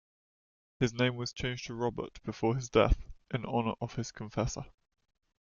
His name was changed to "Robert" before his death, in honor of his confessor.